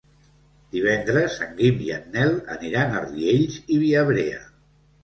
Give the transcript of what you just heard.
Divendres en Guim i en Nel aniran a Riells i Viabrea.